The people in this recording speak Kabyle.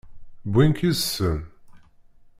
Wwin-k yid-sen?